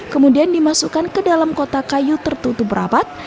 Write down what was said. kemudian dimasukkan ke dalam kotak kayu tertutup rapat